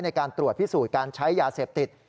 ในการตรวจพิสูจน์การใช้ยาเสพติด